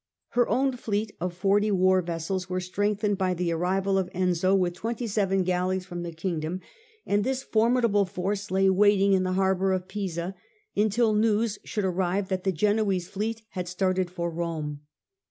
Her own fleet of forty war vessels was strengthened by the arrival of Enzio with twenty seven galleys from the Kingdom, and this formidable force lay waiting in the harbour of Pisa until news should arrive that the Genoese fleet had started for Rome.